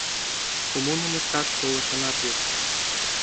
— Коммуным ышташ толашенат вет!